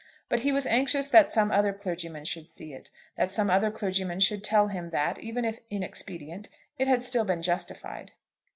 But he was anxious that some other clergyman should see it, that some other clergyman should tell him that, even if inexpedient, it had still been justified.